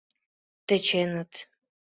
— Тӧченыт...